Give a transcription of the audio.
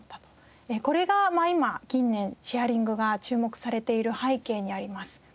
これが今近年シェアリングが注目されている背景にあります。